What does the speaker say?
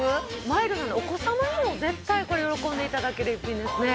マイルドなのでお子様にも絶対これ喜んでいただける一品ですね。